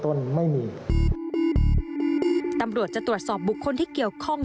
ไม่มีตำรวจจะตรวจสอบบุคคลที่เกี่ยวข้อง